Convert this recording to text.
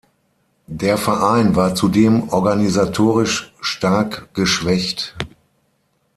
Der Verein war zudem organisatorisch stark geschwächt.